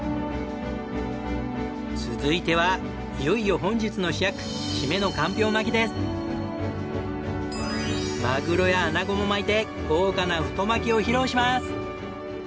続いてはいよいよ本日の主役マグロやアナゴも巻いて豪華な太巻を披露します！